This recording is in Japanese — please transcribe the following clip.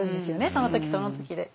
その時その時で。